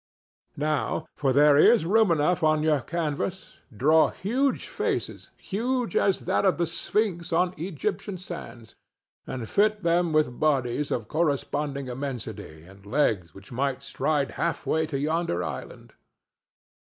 Now (for there is room enough on your canvas) draw huge faces—huge as that of the Sphynx on Egyptian sands—and fit them with bodies of corresponding immensity and legs which might stride halfway to yonder island.